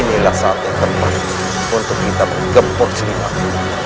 inilah saat yang tepat untuk kita bergembur selamat